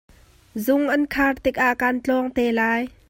Zung an khar tikah kaan tlawng te lai.